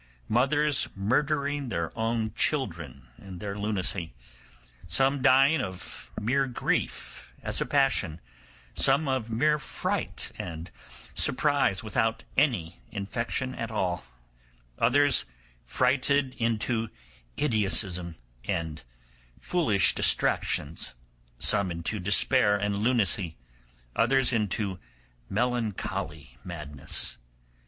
mothers murdering their own children in their lunacy, some dying of mere grief as a passion, some of mere fright and surprise without any infection at all, others frighted into idiotism and foolish distractions, some into despair and lunacy, others into melancholy madness.